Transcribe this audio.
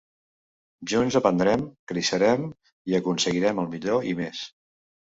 Junts aprendrem, creixerem i aconseguirem el millor i més.